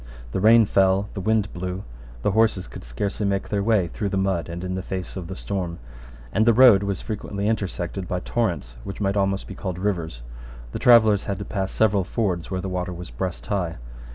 The rain fell: the wind blew: the horses could scarcely make their way through the mud, and in the face of the storm; and the road was frequently intersected by torrents which might almost be called rivers. The travellers had to pass several fords where the water was breast high.